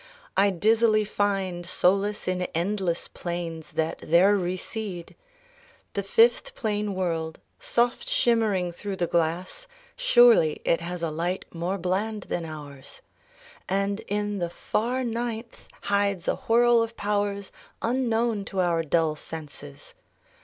I dizzily find Solace in endless planes that there recede. The fifth plane world, soft shimmering through the glass — Surely it has a light more bland than ours. Arthur Davison Ficke And in the far ninth hides a whirl of powers Unknown to our dull senses.